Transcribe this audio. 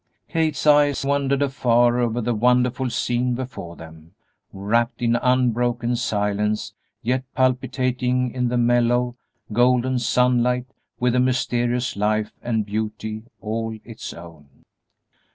Kate's eyes wandered afar over the wonderful scene before them, wrapped in unbroken silence, yet palpitating in the mellow, golden sunlight with a mysterious life and beauty all its own.